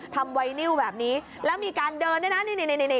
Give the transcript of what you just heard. ไวนิวแบบนี้แล้วมีการเดินด้วยนะนี่